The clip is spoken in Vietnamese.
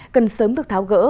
cần sớm được tháo gỡ